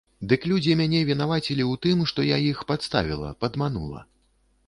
Дык людзі мяне вінавацілі ў тым, што я іх падставіла, падманула.